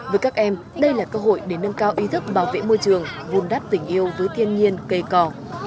với các em đây là cơ hội để nâng cao ý thức bảo vệ môi trường vùn đắp tình yêu với thiên nhiên cây cỏ